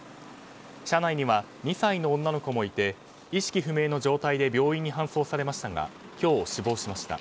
車内には２歳の女の子もいて意識不明の状態で病院に搬送されましたが今日、死亡しました。